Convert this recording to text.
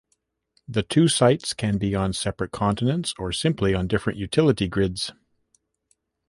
The two sites can be on separate continents or simply on different utility grids.